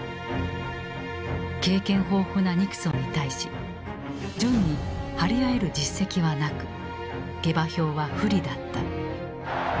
経験豊富なニクソンに対しジョンに張り合える実績はなく下馬評は不利だった。